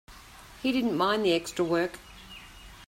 He didn't mind the extra work.